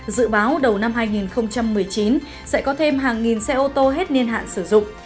dự báo đầu năm hai nghìn một mươi chín sẽ có thêm hàng nghìn xe ô tô hết niên hạn sử dụng